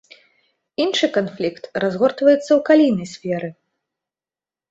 Іншы канфлікт разгортваецца ў калійнай сферы.